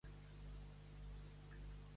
Qui va ser la progenitora de Melanipe?